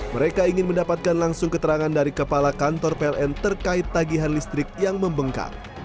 mereka ingin mendapatkan langsung keterangan dari kepala kantor pln terkait tagihan listrik yang membengkak